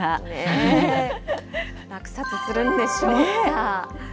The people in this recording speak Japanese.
落札するんでしょうか。